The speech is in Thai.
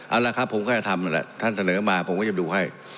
เอาละครับผมก็จะทำนั่นแหละท่านเสนอมาผมก็จะดูให้